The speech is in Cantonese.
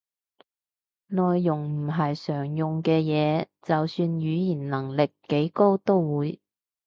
內容唔係常用嘅嘢，就算語言能力幾高都會